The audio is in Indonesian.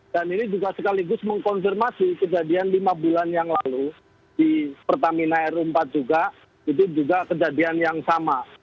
dan ini juga sekaligus mengkonfirmasi kejadian lima bulan yang lalu di pertamina r empat juga itu juga kejadian yang sama